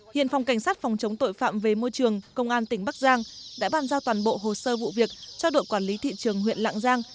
hiện phòng cảnh sát phòng chống tội phạm về môi trường công an tỉnh bắc giang đã bàn giao toàn bộ hồ sơ vụ việc cho đội quản lý thị trường huyện lạng giang